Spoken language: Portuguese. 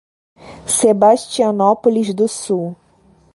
Sebastianópolis do Sul